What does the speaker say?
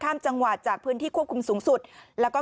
ข้ามจังหวัดจากพื้นที่ควบคุมสูงสุดแล้วก็